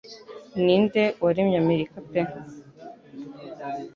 Ninde waremye Amerika pe